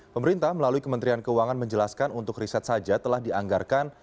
pemerintah melalui kementerian keuangan menjelaskan untuk riset saja telah dianggarkan